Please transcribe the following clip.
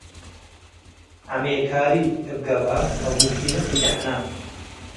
ዐሜካሊ እብ ገብአ - አቡኪማ ኢደሐነ